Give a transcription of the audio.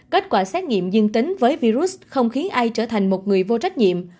kết quả xét nghiệm dương tính với virus không khí ai trở thành một người vô trách nhiệm